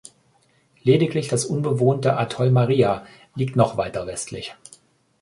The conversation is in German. Lediglich das unbewohnte Atoll Maria liegt noch weiter westlich.